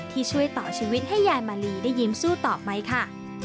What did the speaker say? ที่ช่วยต่อชีวิตให้ยายมาลีได้ยิ้มสู้ต่อไปค่ะ